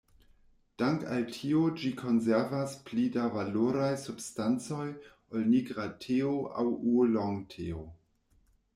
Dank' al tio ĝi konservas pli da valoraj substancoj ol nigra teo aŭ ŭulong-teo.